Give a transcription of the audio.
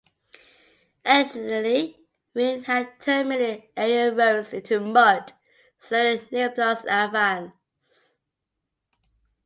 Additionally, rain had turned many area roads into mud, slowing Napoleon's advance.